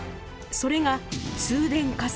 それが通電火災。